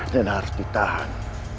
dan harus ditahan